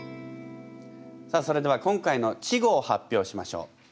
さあそれでは今回の稚語を発表しましょう。